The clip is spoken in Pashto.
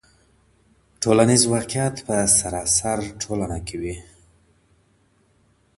ټولنیز واقعیت په سراسر ټولنه کې وي.